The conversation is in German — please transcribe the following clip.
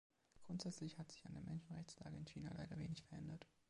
Grundsätzlich hat sich an der Menschenrechtslage in China leider wenig verändert.